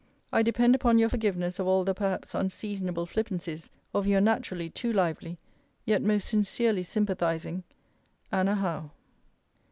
I depend upon your forgiveness of all the perhaps unseasonable flippancies of your naturally too lively, yet most sincerely sympathizing, ANNA HOWE.